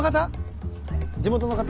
地元の方？